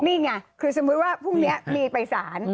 นี่ไงคือสมมุติว่าพรุ่งนี้มีไปสาร